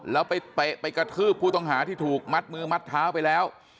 แล้วไปเตะไปกระทืบผู้ต้องหาที่ถูกมัดมือมัดเท้าไปแล้ว